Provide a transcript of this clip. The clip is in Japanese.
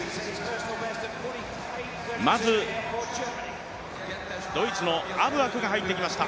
まずドイツのアブアクが入ってきました。